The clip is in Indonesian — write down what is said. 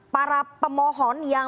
para pemohon yang